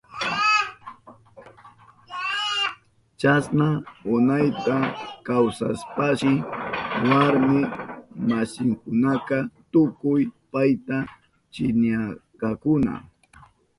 Chasna unayta kawsashpanshi warmi masinkunaka tukuy payta chiknirkakuna.